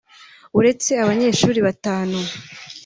uretse abanyeshuri batanu